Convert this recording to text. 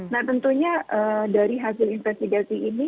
nah tentunya dari hasil investigasi ini